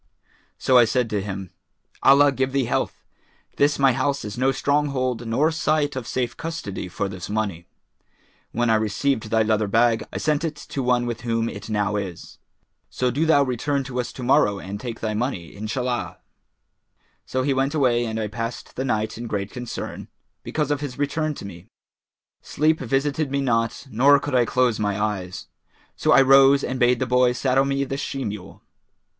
So I said to him, 'Allah give thee health! This my house is no stronghold nor site of safe custody for this money. When I received thy leather bag, I sent it to one with whom it now is; so do thou return to us to morrow and take thy money, Inshallah!'[FN#418] So he went away and I passed the night in great concern, because of his return to me; sleep visited me not nor could I close my eyes; so I rose and bade the boy saddle me the she mule.